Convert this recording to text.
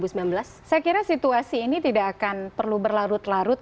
saya kira situasi ini tidak akan perlu berlarut larut